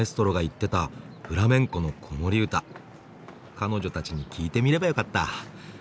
彼女たちに聞いてみればよかった。